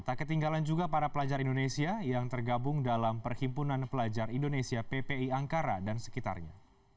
tak ketinggalan juga para pelajar indonesia yang tergabung dalam perhimpunan pelajar indonesia ppi angkara dan sekitarnya